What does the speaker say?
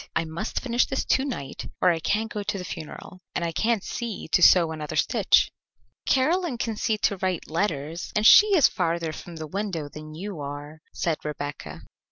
I must finish this to night or I can't go to the funeral, and I can't see to sew another stitch." "Caroline can see to write letters, and she is farther from the window than you are," said Rebecca.